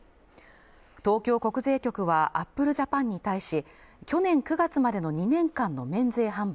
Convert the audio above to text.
東京国税局はアップルジャパンに対し去年９月までの２年間の免税販売